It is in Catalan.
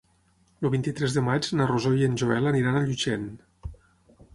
El vint-i-tres de maig na Rosó i en Joel aniran a Llutxent.